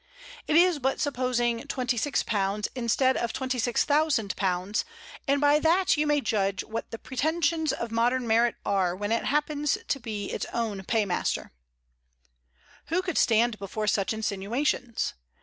It is but supposing £26 instead of £26,000, and by that you may judge what the pretensions of modern merit are when it happens to be its own paymaster." Who could stand before such insinuations?